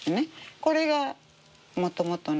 これがもともとの。